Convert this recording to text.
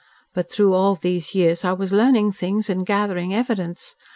But through all those years I was learning things and gathering evidence.